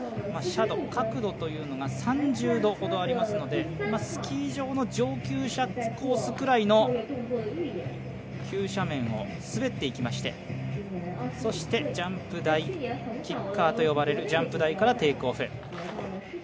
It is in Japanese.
斜度、角度というのが３０度ほどありますのでスキー場の上級者コースくらいの急斜面を滑っていきましてそしてジャンプ台、キッカーと呼ばれるジャンプ台からキックオフ。